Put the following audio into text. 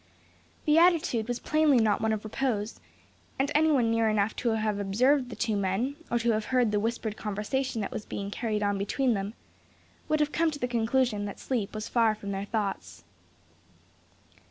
The attitude was plainly not one of repose; and anyone near enough to have observed the two men, or to have heard the whispered conversation that was being carried on between them, would have come to the conclusion that sleep was far from their thoughts.